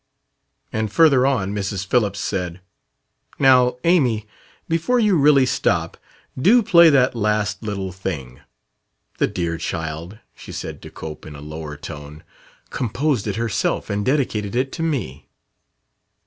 And further on Mrs. Phillips said: "Now, Amy, before you really stop, do play that last little thing. The dear child," she said to Cope in a lower tone, "composed it herself and dedicated it to me."